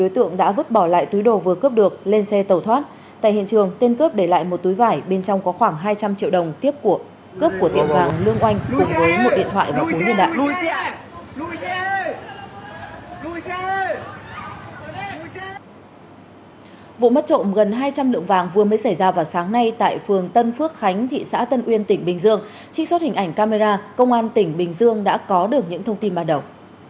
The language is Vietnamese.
trích xuất hình ảnh camera công an tỉnh bình dương đã có được những thông tin bắt đầu